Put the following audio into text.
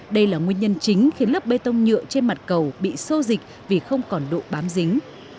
đây là nguyên nhân chính khiến lớp bê tông nhựa trên mặt cầu bị sô dịch vì không còn độ bám dính